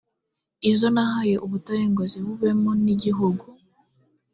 izo nahaye ubutayu ngo zibubemo n igihugu